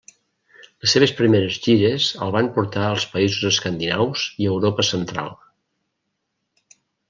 Les seves primeres gires el van portar als Països Escandinaus i Europa central.